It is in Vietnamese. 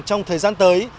trong thời gian tới